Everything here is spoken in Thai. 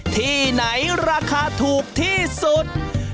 ที่ไหนราคาถูกที่สุด